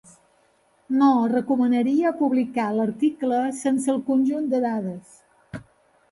No recomanaria publicar l'article sense el conjunt de dades.